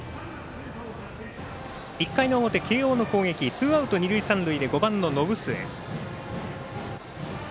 １回の表、慶応の攻撃ツーアウト、二塁三塁で５番の延末。